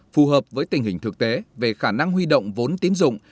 phù hợp với tình hình thực tế về khả năng huy động vốn tín dụng